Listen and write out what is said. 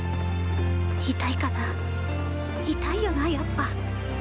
痛いかな痛いよなやっぱ。